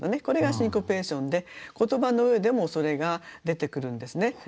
これがシンコペーションで言葉の上でもそれが出てくるんですね。